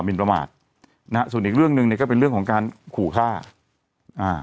นประมาทนะฮะส่วนอีกเรื่องหนึ่งเนี้ยก็เป็นเรื่องของการขู่ฆ่าอ่า